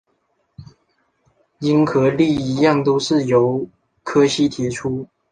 和应力一样都是由柯西提出。